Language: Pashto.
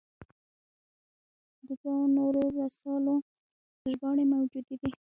د دوو نورو رسالو ژباړې موجودې دي.